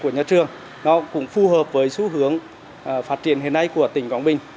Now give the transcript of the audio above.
nó cũng phù hợp với xu hướng phát triển hiện nay của tỉnh quảng bình